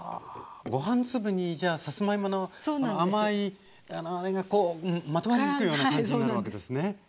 ご飯粒にじゃあさつまいもの甘いあれがまとわりつくような感じになるわけですね。